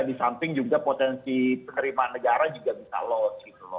di samping juga potensi penerimaan negara juga bisa loss gitu loh